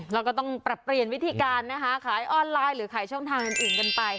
แล้วก็ต้องปรับเปลี่ยนวิธีการนะคะขายออนไลน์หรือขายช่องทางอื่นกันไป